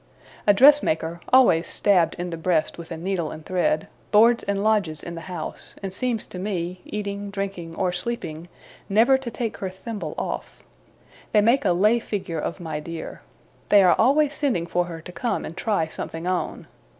A dressmaker, always stabbed in the breast with a needle and thread, boards and lodges in the house; and seems to me, eating, drinking, or sleeping, never to take her thimble off. They make a lay figure of my dear. They are always sending for her to come and try something on.